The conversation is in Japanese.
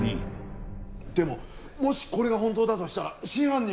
でももしこれが本当だとしたら真犯人は。